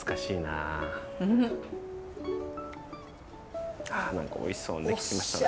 あ何かおいしそうなの出てきましたね。